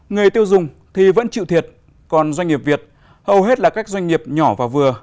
người tiêu dùng thì vẫn chịu thiệt còn doanh nghiệp việt hầu hết là các doanh nghiệp nhỏ và vừa